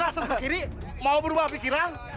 masa berkiri mau berubah pikiran